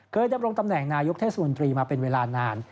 เคยได้ลงตำแหน่งนายุคเทศมนตรีมาเป็นเวลานาน